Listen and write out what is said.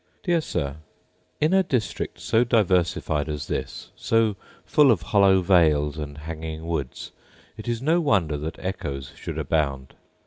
Dear Sir, In a district so diversified as this, so full of hollow vales, and hanging woods, it is no wonder that echoes should abound.